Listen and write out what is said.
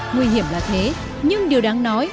nguy hiểm là thế nhưng điều đáng nói